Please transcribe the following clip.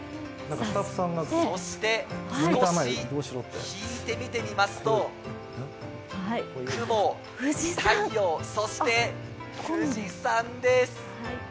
そして少し引いて見てみますと雲、太陽、そして富士山です。